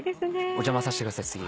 お邪魔させてください。